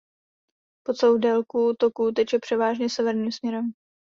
Po celou délku toku teče převážně severním směrem.